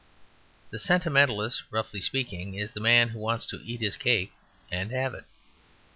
The Sentimentalist, roughly speaking, is the man who wants to eat his cake and have it.